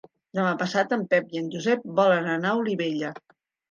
Demà passat en Pep i en Josep volen anar a Olivella.